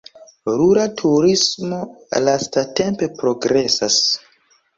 Rura turismo lastatempe progresas.